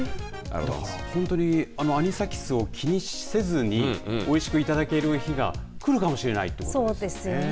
本当にアニサキスを気にせずにおいしくいただける日がくるかもしれないってそうですね。